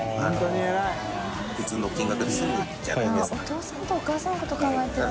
お父さんとお母さんのこと考えてるんだ。